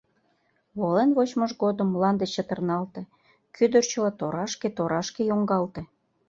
Волен вочмыж годым мланде чытырналте, кӱдырчыла торашке-торашке йоҥгалте.